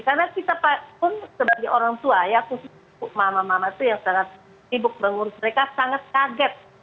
karena kita pun sebagai orang tua ya khususnya mama mama itu yang sangat sibuk mengurus mereka sangat kaget